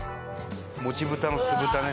もちぶたの酢豚ね。